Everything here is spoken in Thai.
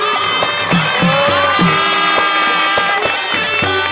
มีชื่อว่าโนราตัวอ่อนครับ